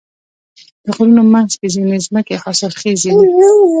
د غرونو منځ کې ځینې ځمکې حاصلخیزې وي.